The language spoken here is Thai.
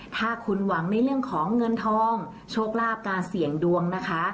ถ้าคุณหวังในเรื่องของเงินทองโชคลาภการเสี่ยงดวงนะคะ